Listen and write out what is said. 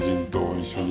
一緒に？